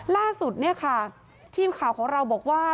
ล่าสุดเนี่ยค่ะทีมข่าวของเราบอกว่า